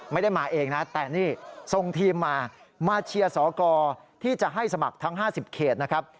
ไม่ได้มาเองนะแต่นี่ส่งทีมมามาเชียร์สกที่จะให้สมัครทั้ง๕๐เขตนะครับ